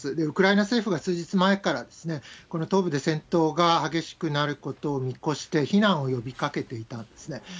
ウクライナ政府が数日前から、この東部で戦闘が激しくなることを見越して避難を呼びかけていたんですね。